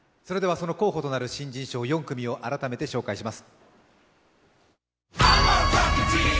その候補となる新人賞４組を改めて紹介します。